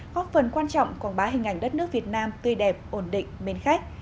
góp phần quan trọng quảng bá hình ảnh đất nước việt nam tươi đẹp ổn định mến khách